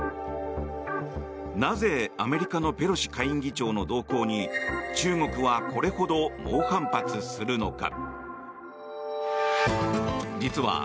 なぜ、アメリカのペロシ下院議長の動向に中国はこれほど猛反発するのか。